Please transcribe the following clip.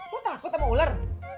lo takut sama ular